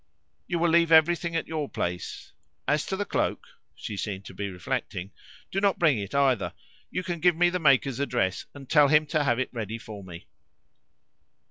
"You will leave everything at your place. As to the cloak" she seemed to be reflecting "do not bring it either; you can give me the maker's address, and tell him to have it ready for me."